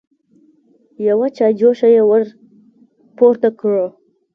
يوه چايجوشه يې ور پورته کړه.